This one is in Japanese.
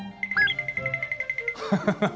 ハハハハ。